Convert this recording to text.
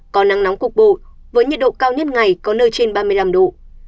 có nắng nóng cục bộ với nhiệt độ cao nhất ngày có nơi trên ba mươi năm độ